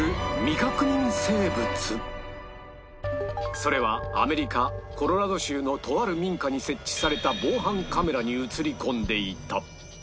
それはアメリカコロラド州のとある民家に設置された防犯カメラに映り込んでいた